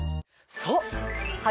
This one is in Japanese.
そう！